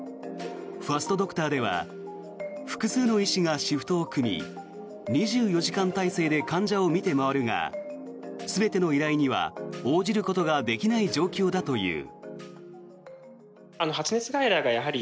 ファストドクターでは複数の医師がシフトを組み２４時間体制で患者を診て回るが全ての依頼には応じることができない状況だという。